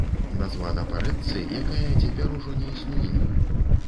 Названа па рэчцы, якая цяпер ужо не існуе.